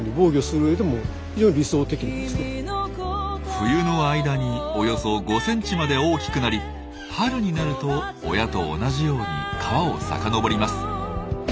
冬の間におよそ５センチまで大きくなり春になると親と同じように川を遡ります。